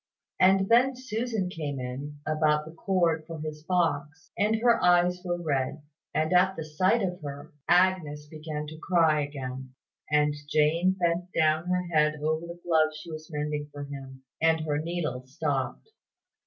And then Susan came in, about the cord for his box, and her eyes were red: and, at the sight of her, Agnes began to cry again; and Jane bent down her head over the glove she was mending for him, and her needle stopped.